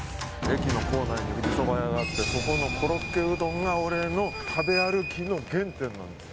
駅の構内に富士そば屋があってそこのコロッケうどんが俺の食べ歩きの原点なんです。